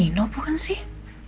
nino bukan sih